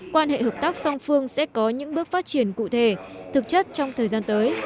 quan hệ hợp tác song phương sẽ có những bước phát triển cụ thể thực chất trong thời gian tới